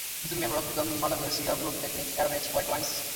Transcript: It is a member of the Malvasia group that makes aromatic white wines.